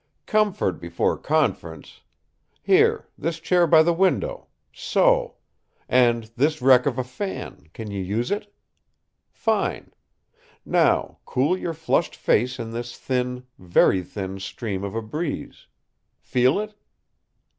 "Comfort before conference! Here, this chair by the window so and this wreck of a fan, can you use it? Fine! Now, cool your flushed face in this thin, very thin stream of a breeze feel it?